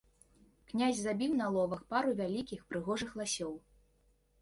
Князь забіў на ловах пару вялікіх прыгожых ласёў.